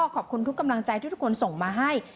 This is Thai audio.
ขอบคุณทุกกำลังใจที่ทุกคนส่งมาให้